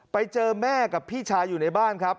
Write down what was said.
ไปเจอแม่กับพี่ชายอยู่ในบ้านครับ